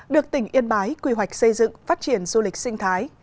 được tỉnh yên bái quy hoạch xây dựng phát triển du lịch sinh thái